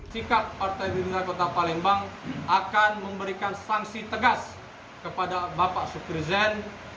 sikap ortega dewan kota palembang akan memberikan sanksi tegas kepada bapak syukri zen